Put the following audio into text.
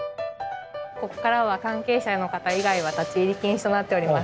ここからは関係者の方以外は立ち入り禁止となっております。